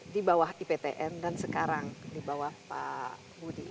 di bawah iptn dan sekarang di bawah pak budi